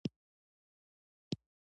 پلاو ولې ملي خواړه دي؟